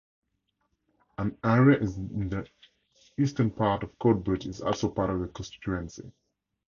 An area in the eastern part of Coatbridge is also part of the constituency.